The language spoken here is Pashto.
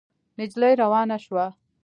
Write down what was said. نجلۍ روانه شوه.